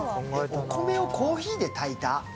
お米をコーヒーで炊いた？